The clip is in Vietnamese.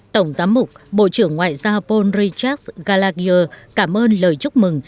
tổng giám mục bộ trưởng ngoại giao paul richard gallagher cảm ơn lời chúc mừng